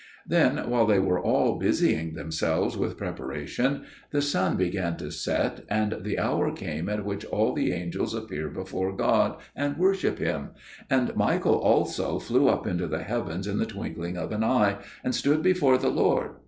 Then, while they were all busying themselves with preparation, the sun began to set, and the hour came at which all the angels appear before God and worship Him; and Michael also flew up into the heavens in the twinkling of an eye, and stood before the Lord.